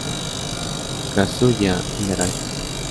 Kazuya Igarashi